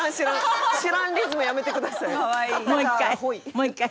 もう一回。